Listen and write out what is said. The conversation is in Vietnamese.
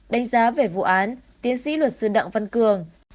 đánh giá về vụ án tiến sĩ luật sư đặng văn cường